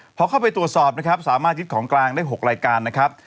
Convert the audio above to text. พอเข้าไปตรวจสอบสามารถคิดของกลางได้๖รายการ